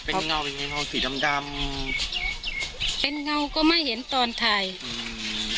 เป็นเงาเป็นไงเงาสีดำดำเป็นเงาก็ไม่เห็นตอนถ่ายอืม